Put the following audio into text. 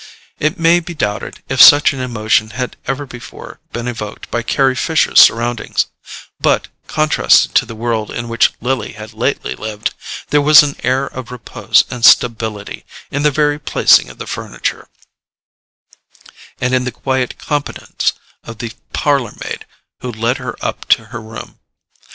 It may be doubted if such an emotion had ever before been evoked by Carry Fisher's surroundings; but, contrasted to the world in which Lily had lately lived, there was an air of repose and stability in the very placing of the furniture, and in the quiet competence of the parlour maid who led her up to her room.